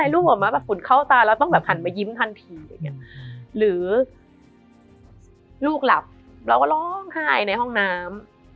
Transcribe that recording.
ลูกหลับเราก็ร้องไห้ในห้องน้ำ